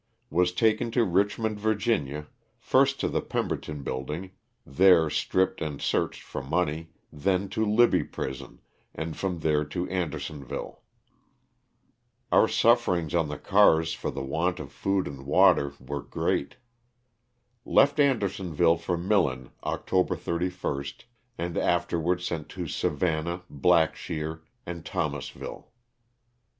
Was taken to Kichmond, Va., first to the Pemberton build ing — there stripped and searched for money, then to Libby prison, and from there to Andersonville. Our sufferings on the cars for the want of food and water LOSS OF THE SULTANA. 95 were great. Left Andersonville for Millen October 31st, and afterwards sent to Savannah, Blackshear, and Thomasville.